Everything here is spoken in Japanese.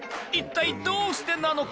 祕貘どうしてなのか？